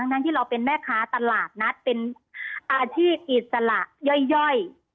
ทั้งที่เราเป็นแม่ค้าตลาดนัดเป็นอาชีพอิสระย่อย